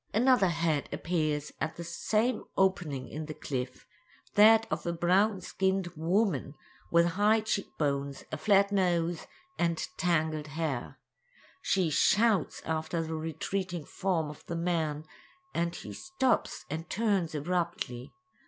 Another head appears at the same opening in the cliff—that of a brown skinned woman with high cheek bones, a flat nose, and tangled hair. She shouts after the retreating form of the man, and he stops, and turns abruptly.